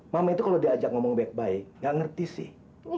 mama itu kalau diajak ngomong baik baik gak ngerti sih